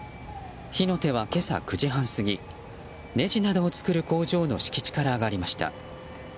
火の手は今朝９時半過ぎねじなどを作る工場の敷地から上がりました。